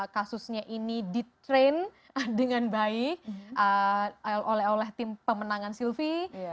kasusnya ini di train dengan baik oleh tim pemenangan sylvi